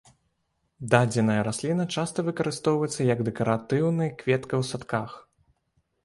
Дадзеная расліна часта выкарыстоўваецца як дэкаратыўны кветка ў садках.